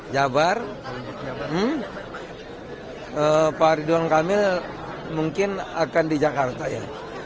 jabar pak ridwan kamil mungkin akan di jakarta ya